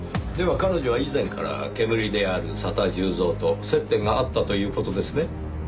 彼女は以前からけむりである佐田重蔵と接点があったという事ですね？